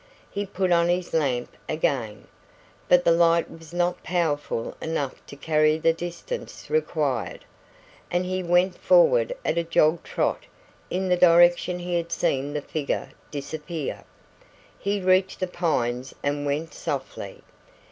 He put on his lamp again, but the light was not powerful enough to carry the distance required, and he went forward at a jog trot in the direction he had seen the figure disappear. He reached the pines and went softly.